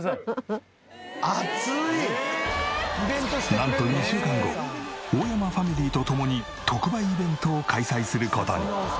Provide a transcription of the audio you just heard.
なんと２週間後大山ファミリーと共に特売イベントを開催する事に。